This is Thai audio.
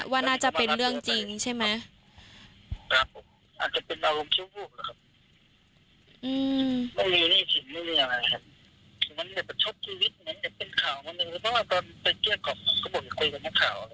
ว่าน่าจะเป็นเรื่องจริงใช่ไหม